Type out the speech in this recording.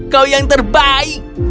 kau yang terbaik